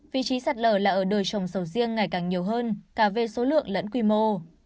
vị trí sạt lở là ở đời trồng sầu riêng ngày càng nhiều hơn cả về số lượng lẫn quy mô